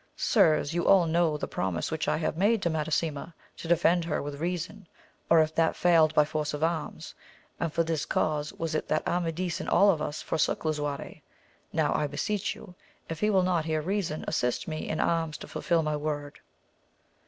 Sirs, you all know the promise which I have made to Madasima, to d8fend her with reason, or if that failed by force of arms ; and' for this cause was it that Amadis and all of us forsook Lisuarte ; now I beseech you, if he will not hear reason, assist me in arms to fulfil my word.